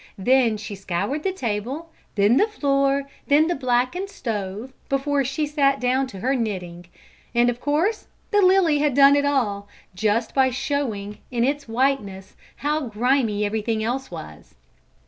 Then she scoured the table, then the floor, then blackened the stove before she sat down to her knitting. And of course the lily had done it all, just by showing, in its whiteness, how grimy everything else was."